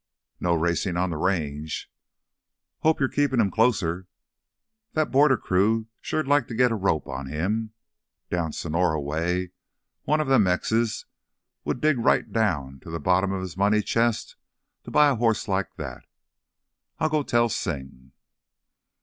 "No racin' on the Range." "Hope you're keepin' him closer. That border crew'd sure like to git a rope on him! Down Sonora way one of them Mexes would dig right down to th' bottom of his money chest to buy a hoss like that. I'll go an' tell Sing."